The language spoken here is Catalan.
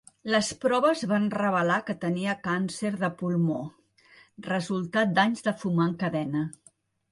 Les proves van revelar que tenia càncer de pulmó, resultat d'anys de fumar en cadena.